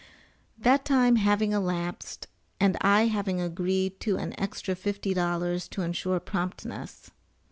That time having elapsed and I having agreed to an extra fifty dollars to ensure promptness.